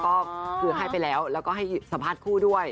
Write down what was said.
ก็คือให้ไปแล้วแล้วก็ให้สัมภาษณ์คู่ด้วย